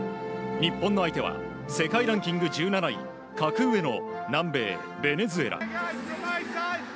日本の相手は世界ランキング１７位格上の南米ベネズエラ。